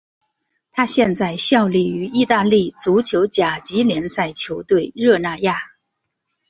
他现在效力于意大利足球甲级联赛球队热那亚。